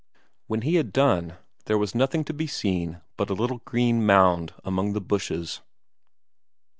When he had done, there was nothing to be seen but a little green mound among the bushes.